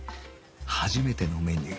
初めてのメニュー